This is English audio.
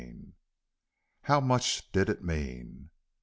HOW MUCH DID IT MEAN?